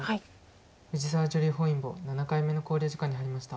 藤沢女流本因坊７回目の考慮時間に入りました。